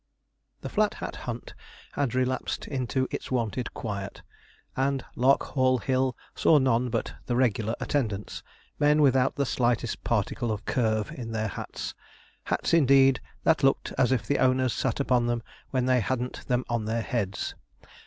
The Flat Hat Hunt had relapsed into its wonted quiet, and 'Larkhall Hill' saw none but the regular attendants, men without the slightest particle of curve in their hats hats, indeed, that looked as if the owners sat upon them when they hadn't them on their heads.